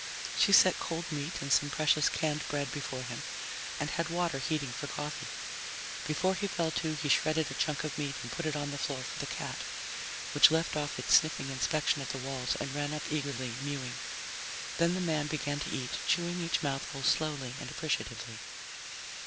She set cold meat and some precious canned bread before him and had water heating for coffee. Before he fell to, he shredded a chunk of meat and put it on the floor for the cat, which left off its sniffing inspection of the walls and ran up eagerly mewing. Then the man began to eat, chewing each mouthful slowly and appreciatively.